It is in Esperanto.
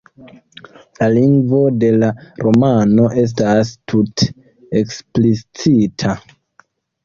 La lingvo de la romano estas tute eksplicita.